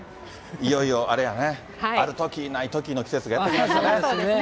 いよいよあれやね、あるとき、ないときの季節がやって来ましたね。